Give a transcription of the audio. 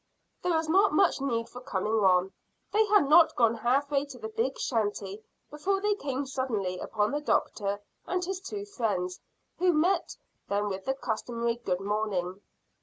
There was not much need for coming on. They had not gone half way to the big shanty before they came suddenly upon the doctor and his two friends, who met them with the customary good morning.